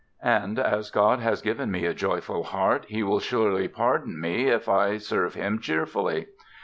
And as God has given me a joyful heart He will surely pardon me if I serve Him cheerfully!"